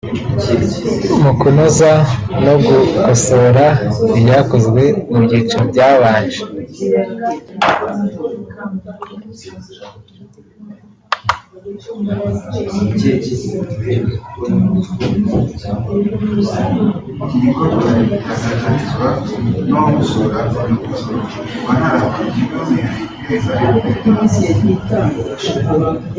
mu kunoza no gukosora ibyakozwe mu byiciro byabanje